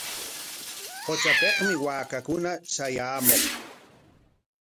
Qutrapikmi waakakuna shayaamuq.